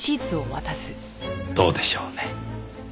どうでしょうね。